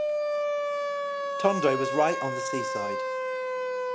Tondo was right on the seaside.